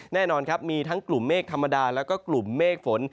แน่นอนครับมีทั้งกลุ่มเมฆธรรมดาแล้วก็กลุ่มเมฆฝน